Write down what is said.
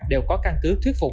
đều có căn cứ thuyết phục